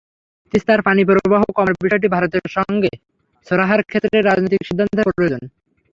তিস্তার পানিপ্রবাহ কমার বিষয়টি ভারতের সঙ্গে সুরাহার ক্ষেত্রে রাজনৈতিক সিদ্ধান্তের প্রয়োজন।